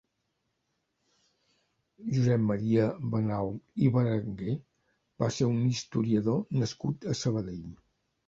Josep Maria Benaul i Berenguer va ser un historiador nascut a Sabadell.